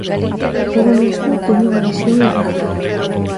Eu mesmo tiña unha visión errada.